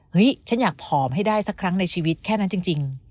ฉันอยากผอมให้ได้สักครั้งในชีวิตแค่นั้นจริง